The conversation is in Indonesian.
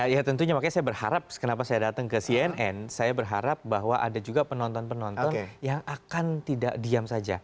ya tentunya makanya saya berharap kenapa saya datang ke cnn saya berharap bahwa ada juga penonton penonton yang akan tidak diam saja